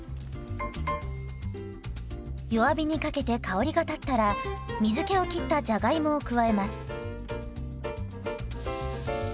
弱火にかけて香りが立ったら水けをきったじゃがいもを加えます。